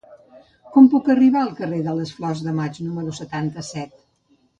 Com puc arribar al carrer de les Flors de Maig número setanta-set?